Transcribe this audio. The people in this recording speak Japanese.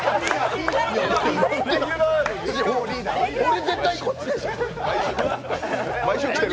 俺、絶対こっちでしょ！